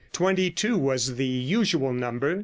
Twenty two was the usual number.